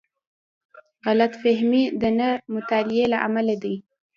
غلط فهمۍ د نه مطالعې له امله دي.